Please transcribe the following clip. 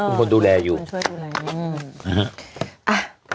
มันช่วยดูแลอย่างนี้